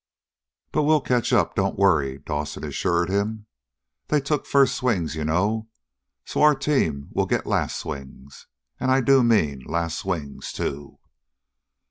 "But we'll catch up, don't worry," Dawson assured him. "They took first swings, you know, so our team will get last swings. And I do mean last swings, too."